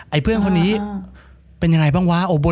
เพื่อนคนนี้เป็นยังไงบ้างวะ